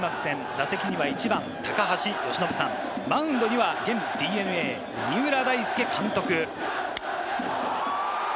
打席には１番・高橋由伸さん、マウンドには元ＤｅＮＡ・三浦大輔監督。